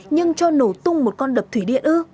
nhưng cho nổ tung một con đập thủy điện ư